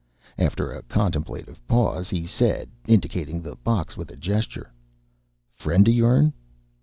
After a contemplative pause, he said, indicating the box with a gesture, "Friend of yourn?"